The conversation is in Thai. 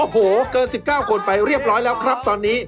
โอ้โหเกิน๑๙คนไปเรียบร้อยแล้วครับตอนนี้